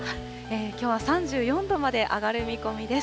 きょうは３４度まで上がる見込みです。